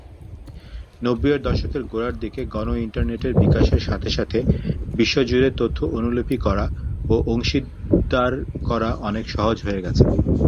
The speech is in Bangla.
নব্বইয়ের দশকের গোড়ার দিকে গণ ইন্টারনেটের বিকাশের সাথে সাথে বিশ্বজুড়ে তথ্য অনুলিপি করা ও অংশীদার করা অনেক সহজ হয়ে গেছে।